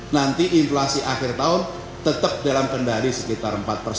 nanti inflasi akhir tahun tetap dalam kendali sekitar empat persen